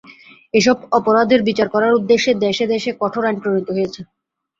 এসব অপরাধের বিচার করার উদ্দেশ্যে দেশে দেশে কঠোর আইন প্রণীত হয়েছে।